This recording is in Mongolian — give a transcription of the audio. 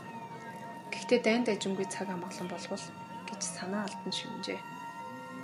"Гэхдээ дайн дажингүй, цаг амгалан болбол" гэж санаа алдан шивнэжээ.